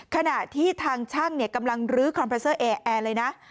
ขณะที่ทางช่างกำลังลื้อคอมเพอร์เซอร์แอร์เลยนะ